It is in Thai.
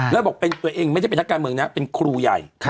แล้วบอกเป็นตัวเองไม่ใช่เป็นทักรรมเขานะเป็นครูใหญ่